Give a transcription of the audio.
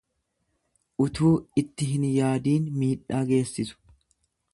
Utuu itti hin yaadiin miidhaa geessisu.